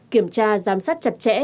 kiểm tra giám sát chặt chẽ